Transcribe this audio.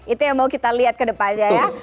itu yang mau kita lihat ke depannya ya